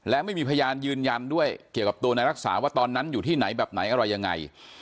และไม่มีพยานยืนยันด้วยเกี่ยวกับตัวนายรักษาว่าตอนนั้นอยู่ที่ไหนแบบไหนอะไรยังไง